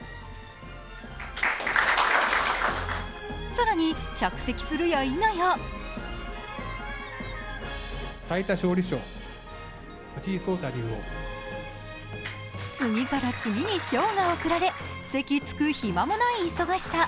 更に、着席するやいなや次から次に賞が贈られ席つく暇もない忙しさ。